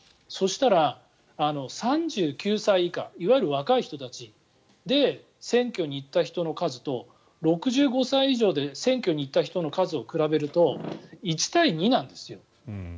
そしたら３９歳以下いわゆる若い人たちで選挙に行った人の数と６５歳以上で選挙に行った人の数を比べると１対２なんですよ。